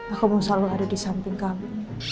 aku mau selalu ada di samping kami